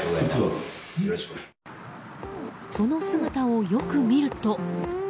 その姿を、よく見ると。